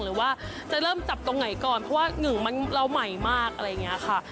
หรือว่าจะเริ่มจับตรงไหนก่อนเพราะว่าหนึ่งมันเราใหม่มากอะไรอย่างนี้ค่ะ